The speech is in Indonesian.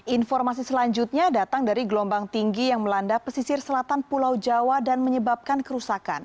informasi selanjutnya datang dari gelombang tinggi yang melanda pesisir selatan pulau jawa dan menyebabkan kerusakan